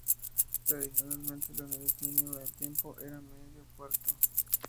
Tradicionalmente, la unidad mínima de tiempo era el medio cuarto.